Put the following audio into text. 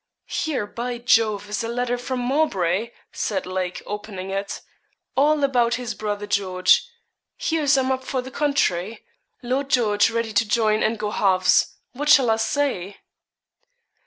'Here, by Jove, is a letter from Mowbray,' said Lake, opening it. 'All about his brother George. Hears I'm up for the county. Lord George ready to join and go halves. What shall I say?'